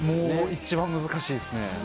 一番難しいですね。